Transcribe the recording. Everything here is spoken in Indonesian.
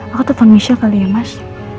aku tumpang michelle kali ya mas